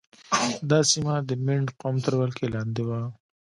دا سیمه د مینډ قوم تر ولکې لاندې وه.